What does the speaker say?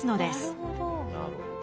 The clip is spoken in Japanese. なるほど。